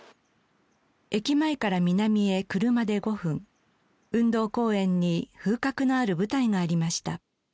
駅前から南へ車で５分運動公園に風格のある舞台がありました。